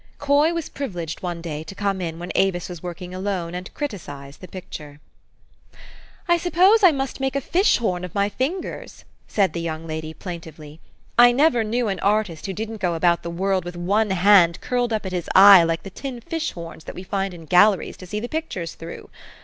Coy was privileged one day to come in when Avis was working alone, and criticise the picture. " I suppose I must make a fish horn of my fingers ?'' said the young lady plaintively. ' i I never knew an artist who didn't go about the world with one hand curled up at his eye like the tin fish horns that we find in galleries to see the pictures through.